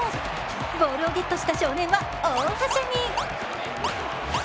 ボールをゲットした少年は大はしゃぎ。